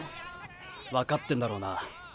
分かってんだろうな。